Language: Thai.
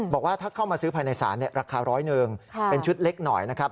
บอกว่าถ้าเข้ามาซื้อภายในศาลราคาร้อยหนึ่งเป็นชุดเล็กหน่อยนะครับ